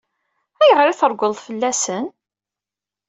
Ayɣer i treggleḍ fell-asen?